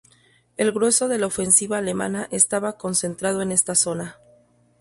El grueso de la ofensiva alemana estaba concentrado en esta zona.